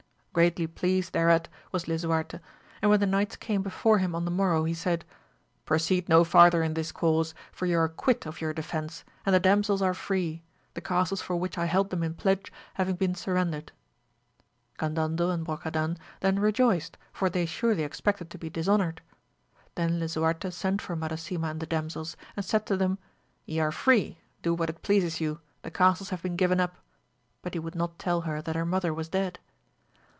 Greatly pleased thereat was Lisuarte, and when the knights came before him on AMADIS OF GAVL. 137 the morrow he said, Proceed no farther in this cause, for you are quit of your defence, and the damsels are free ; the castles for which I held them in pledge hav ing been surrendered. Gandandel and Brocadan then rejoiced, for they surely expected to be dishonoured. Then Lisuarte sent for Madasima and the damsels, and said to them, ye are free ; do what it pleases you, the castles have been given up ; but he would not tell her that her mother was dead.